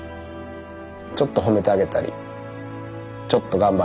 ちょっと褒めてあげたりちょっと頑張れよとか。